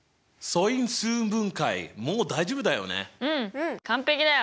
うん完璧だよ！